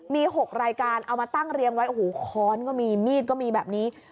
มี๖รายการเอามาตั้งเรียงไว้โอ้โหค้อนก็มีมีดก็มีแบบนี้